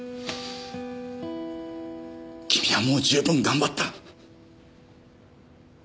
君はもう十分頑張った！